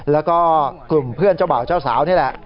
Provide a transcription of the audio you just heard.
แล้วก็กลุ่มเพื่อนเจ้าบ่าวเจ้าสาวนี่แหละ